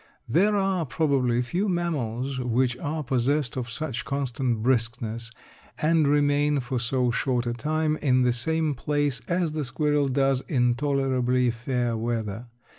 There are probably few mammals which are possessed of such constant briskness and remain for so short a time in the same place as the squirrel does in tolerably fair weather.